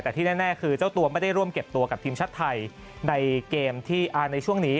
แต่ที่แน่คือเจ้าตัวไม่ได้ร่วมเก็บตัวกับทีมชาติไทยในเกมที่ในช่วงนี้